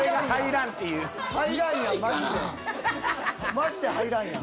マジで入らんやん。